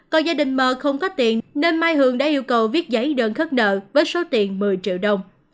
còn gia đình m không có tiền nên mai hường đã yêu cầu viết giấy đơn khất nợ với số tiền một mươi triệu đồng